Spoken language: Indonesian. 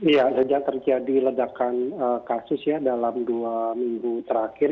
ya sejak terjadi ledakan kasus ya dalam dua minggu terakhir